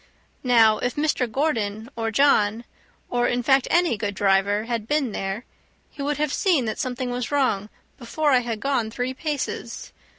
Now, if Mr. Gordon or John, or in fact any good driver, had been there, he would have seen that something was wrong before I had gone three paces.